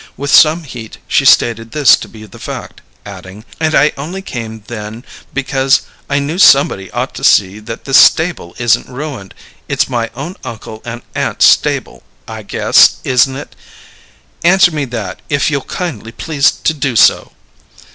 With some heat she stated this to be the fact, adding, "And I only came then because I knew somebody ought to see that this stable isn't ruined. It's my own uncle and aunt's stable, I guess, isn't it? Answer me that, if you'll kindly please to do so!"